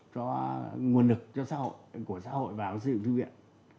cho nguồn lực của xã hội vào xây dựng thư viện